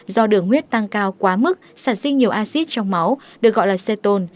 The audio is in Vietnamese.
do đường huyết tăng cao quá mức sản sinh nhiều acid trong máu được gọi là seton